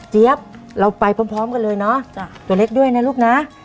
เราไปพร้อมกันเลยเนาะตัวเล็กด้วยนะลูกนะ